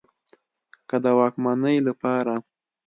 که د واکمنۍ له پاره